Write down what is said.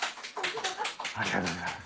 ありがとうございます。